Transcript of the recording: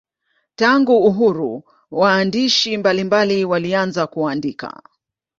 Tangu uhuru waandishi mbalimbali walianza kuandika.